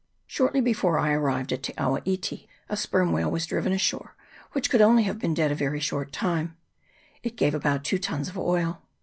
Shortly before I arrived at Te awa iti a sperm whale was driven ashore which could only have been dead a very short time ; it gave about two tuns of oil.